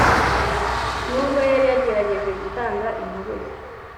n’ubwo yari yagerageje gutanga impuruza